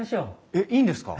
えっいいんですか？